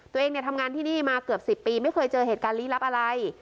ตัวเองทำงานที่นี่มาเกือบ๑๐ปีไม่เคยเจอเหตุการณ์ลี้ลับอะไร